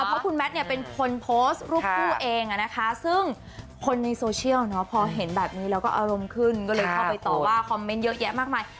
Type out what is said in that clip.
เพราะคุณแมทเนี่ยเป็นคนโพสต์รูปคู่เองนะคะซึ่งคนในโซเชียลพอเห็นแบบนี้แล้วก็อารมณ์ขึ้นก็เลยเข้าไปต่อว่าคอมเมนต์เยอะแยะมากมาย